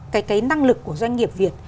cái năng lực của doanh nghiệp việt